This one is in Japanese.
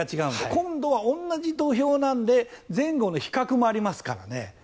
今度は同じ土俵なので前後の比較もありますからね。